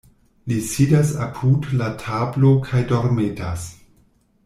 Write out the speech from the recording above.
Li sidas apud la tablo kaj dormetas.